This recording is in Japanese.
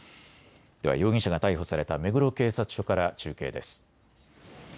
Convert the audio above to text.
では容疑者が逮捕された目黒警察署から中継です。